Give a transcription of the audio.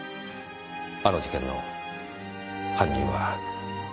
あの事件の犯人は。